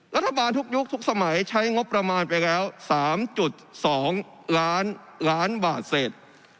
รัฐบาลทุกยุคทุกสมัยใช้งบประมาณไปแล้ว๓๒ล้านล้านบาทเศษ